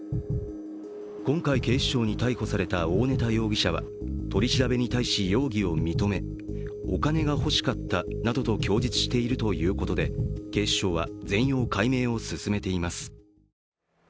今回、警視庁に逮捕された大根田容疑者は取り調べに対し容疑を認め、お金が欲しかったなどと供述しているということで警視庁は全容解明を進めています。